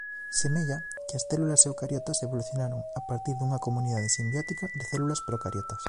Semella que as células eucariotas evolucionaron a partir dunha comunidade simbiótica de células procariotas.